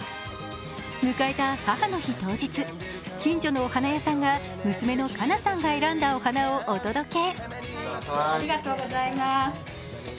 迎えた母の日当日、近所のお花屋さんにが、娘の香奈さんが選んだお花をお届け。